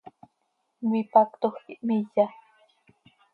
Mipactoj quih hmiya.